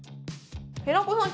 平子さん